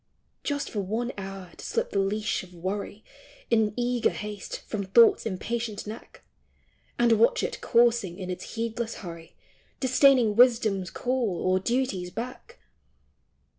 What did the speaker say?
Just for one hour to slip the leash of Worry, In eager haste, from Thought's impatient neck, And watch it coursing, in its heedless hurry Disdaining Wisdom's call or Duty's beck